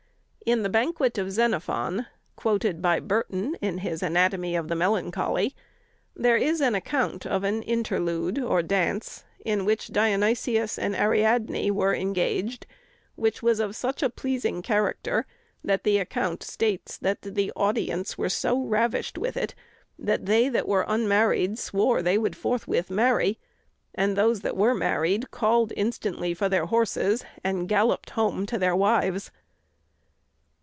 In the "Banquet" of Xenophon, quoted by Burton in his "Anatomy of the Melancholy," there is an account of an interlude, or dance, in which Dionysius and Ariadne were engaged, which was of such a pleasing character that the account states that "the audience were so ravished with it, that they that were unmarried swore they would forthwith marry, and those that were married called instantly for their horses and galloped home to their wives."